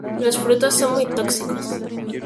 Los frutos son muy tóxicos.